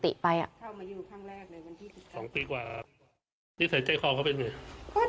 เข้ามาอยู่ข้างแรกเลยวันที่๑๒ปีกว่าครับพี่สาวใจครองเขาเป็นไง